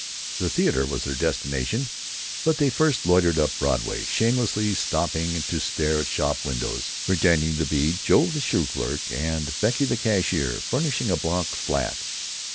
The theater was their destination, but they first loitered up Broadway, shamelessly stopping to stare at shop windows, pretending to be Joe the shoe clerk and Becky the cashier furnishing a Bronx flat.